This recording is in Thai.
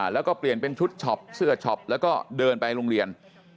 แล้วก็เปลี่ยนเป็นชุดช็อปเสื้อช็อปแล้วก็เดินไปโรงเรียน